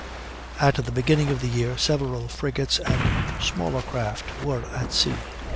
At the beginning of the year several frigates and smaller craft were at sea.